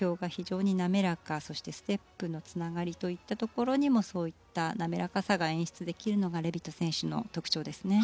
そしてステップのつながりといったところにもそういった滑らかさが演出できるのがレビト選手の特徴ですね。